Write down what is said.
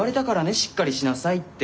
しっかりしなさいって。